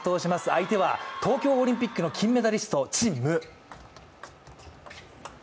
相手は東京オリンピックの金メダリスト、陳夢。